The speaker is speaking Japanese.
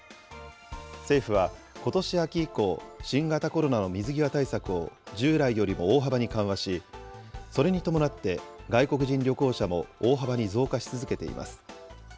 政府は、ことし秋以降、新型コロナの水際対策を従来よりも大幅に緩和し、それに伴って、外国人旅行者も大幅に増加し続けています。